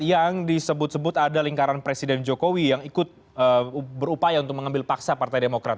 yang disebut sebut ada lingkaran presiden jokowi yang ikut berupaya untuk mengambil paksa partai demokrat